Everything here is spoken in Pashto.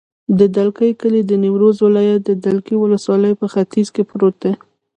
د دلکي کلی د نیمروز ولایت، دلکي ولسوالي په ختیځ کې پروت دی.